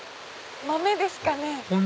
豆ですかね？